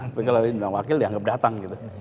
tapi kalau dianggap wakil dianggap datang